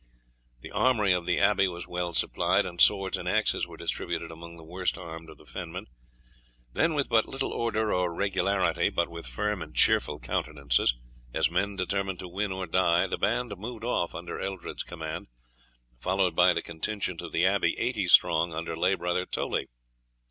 The armoury of the abbey was well supplied, and swords and axes were distributed among the worst armed of the fenmen. Then, with but little order or regularity, but with firm and cheerful countenances, as men determined to win or die, the band moved off under Eldred's command, followed by the contingent of the abbey, eighty strong, under lay brother Toley.